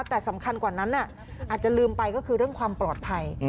แต่สำคัญกว่านั้นอาจจะลืมไปก็คือเรื่องความปลอดภัย